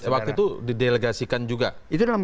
waktu itu didelegasikan juga